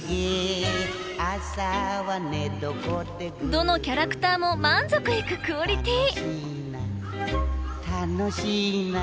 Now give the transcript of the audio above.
どのキャラクターも満足いくクオリティー！